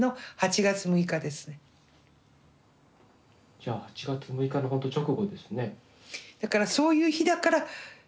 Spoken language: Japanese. じゃあ８月６日のほんと直後ですね。